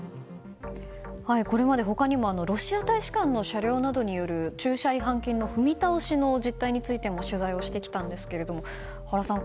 これまで他にもロシア大使館の車両などによる駐車違反金の踏み倒しの実態についても取材してきたんですが、原さん